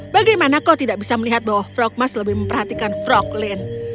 bagaimana kau tidak bisa melihat bahwa frogmas lebih memperhatikan froglin